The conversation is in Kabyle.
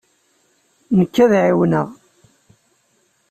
Nekk ad ɛiwneɣ.